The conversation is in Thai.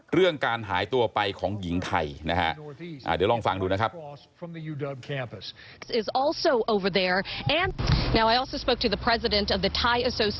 เรื่องการหายตัวไปของหญิงไทยนะฮะเดี๋ยวลองฟังดูนะครับ